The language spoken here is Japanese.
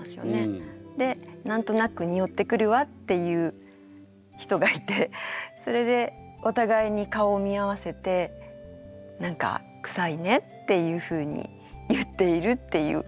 で何となくにおってくるわっていう人がいてそれでお互いに顔を見合わせて「何かくさいね」っていうふうに言っているっていう花見のシーンです。